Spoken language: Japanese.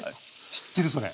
知ってるそれ。